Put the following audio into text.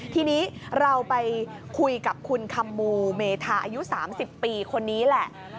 ทีนี้เราไปคุยกับคุณคำมูเมธาอายุ๓๐ปีคนนี้แหละ